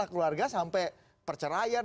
keluarga sampai perceraian